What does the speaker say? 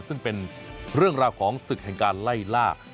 ซึ่งเป็นเรื่องราวของศึกแห่งการไล่ล่า